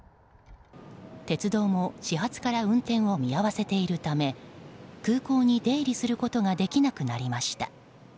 鉄道も始発から運転を見合わせているため空港に出入りすることができなくなりました。